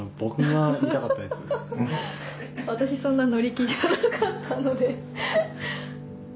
私そんな乗り気じゃなかったので。